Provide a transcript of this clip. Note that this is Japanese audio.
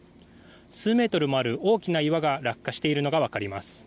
数メートルもある大きな岩が落下しているのがわかります。